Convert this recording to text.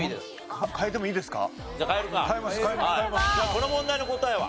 この問題の答えは？